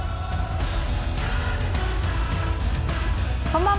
こんばんは。